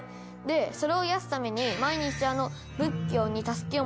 それを癒やすために毎日。